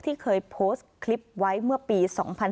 ที่เคยโพสต์คลิปไว้เมื่อปี๒๕๕๙